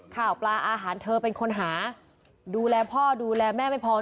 ข่าวปลาอาหารเธอเป็นคนหาดูแลพ่อดูแลแม่ไม่พอ